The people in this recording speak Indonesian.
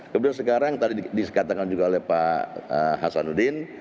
kemudian sekarang tadi dikatakan juga oleh pak hasanuddin